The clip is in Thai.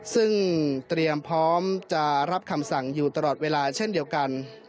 ซึ่งเตรียมพร้อมจะรับคำสั่งอยู่ตลอดเวลาเช่นเดียวกัน